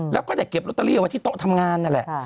แล้วก็อย่าเก็บรอเตอรี่วันที่โต๊ะทำงานนั่นแหละค่ะ